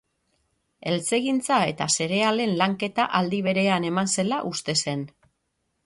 Eltzegintza eta zerealen lanketa aldi berean eman zela uste zen